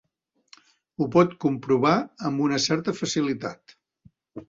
Ho pot comprovar amb una certa facilitat.